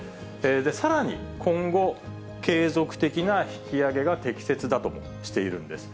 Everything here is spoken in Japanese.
さらに今後、継続的な引き上げが適切だとしているんです。